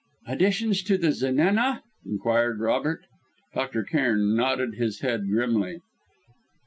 "Additions to the Zenana!" inquired Robert. Dr. Cairn nodded his head grimly.